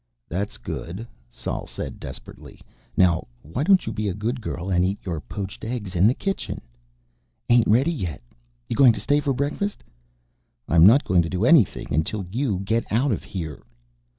"That's good," Sol said desperately. "Now why don't you be a good girl and eat your poached eggs. In the kitchen." "Ain't ready yet. You going to stay for breakfast?" "I'm not going to do anything until you get out of here."